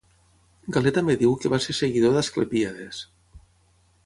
Galè també diu que va ser seguidor d'Asclepíades.